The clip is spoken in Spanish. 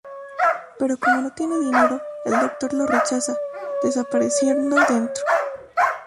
Pero como no tiene dinero, el doctor lo rechaza, desapareciendo dentro.